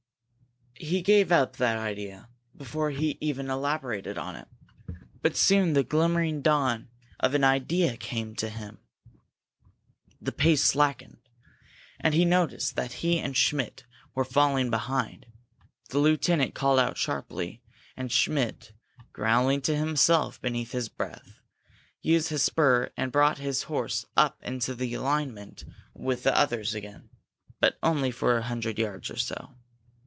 He gave up that idea before he even elaborated upon it. But soon the glimmering dawn of an idea did come to him. The pace slackened, and he noticed that he and Schmidt were falling behind. The lieutenant called out sharply, and Schmidt, growling to himself beneath his breath, used his spur and brought his horse up into alignment with the others again. But only for a hundred yards or so.